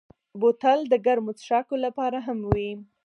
بوتل د ګرمو څښاکو لپاره هم وي.